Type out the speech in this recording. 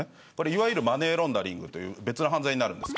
いわゆるマネーロンダリングという別の犯罪になります。